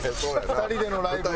２人でのライブは。